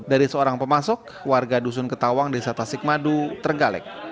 dari seorang pemasok warga dusun ketawang desa tasik madu terenggalek